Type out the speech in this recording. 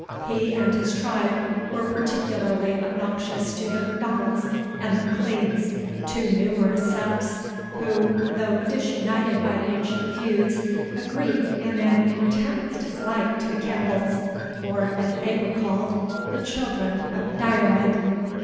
He and his tribe were particularly obnoxious to the M'Donalds and the M'Leans, two numerous septs, who, though disunited by ancient feuds, agreed in an intense dislike to the Campbells, or, as they were called, the Children of Diarmid.